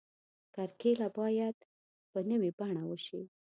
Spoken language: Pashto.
کرکیله باید په نوې بڼه وشي.